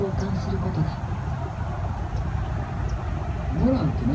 モランってね